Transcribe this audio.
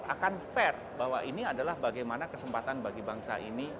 akan fair bahwa ini adalah bagaimana kesempatan bagi bangsa ini